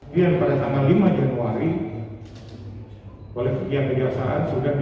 pada tanggal lima januari